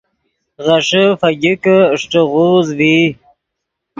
غیݰے فگیکے اݰٹے غوز ڤئی